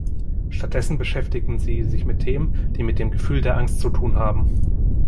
Stattdessen beschäftigen sie sich mit Themen, die mit dem Gefühl der Angst zu tun haben.